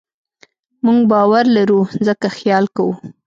موږ باور لرو؛ ځکه خیال کوو.